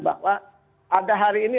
bahwa ada hari ini